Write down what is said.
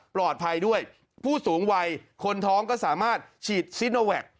ปลอดภัยด้วยผู้สูงวัยคนท้องก็สามารถฉีดซิโนแวค